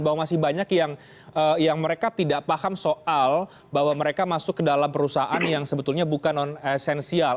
bahwa masih banyak yang mereka tidak paham soal bahwa mereka masuk ke dalam perusahaan yang sebetulnya bukan non esensial